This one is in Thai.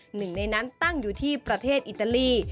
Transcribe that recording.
หนึ่งในนั้นตั้งอยู่ที่ประเทศอิตาลี